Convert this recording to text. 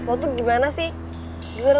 lo tuh gimana sih